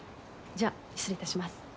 じゃあ失礼致します。